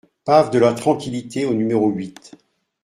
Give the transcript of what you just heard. Pav de la Tranquillite au numéro huit